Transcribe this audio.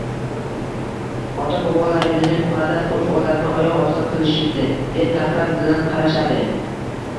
ota-bobolarimizning muqaddas urf-odatini oyoq osti qilishibdi, deb nafrat bilan qarashadi.